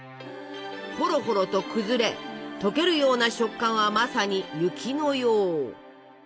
ほろほろと崩れ溶けるような食感はまさに雪のよう。